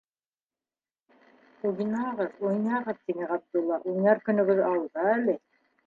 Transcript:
— Уйнағыҙ, уйнағыҙ, - тине Ғабдулла, - уйнар көнөгөҙ алда әле.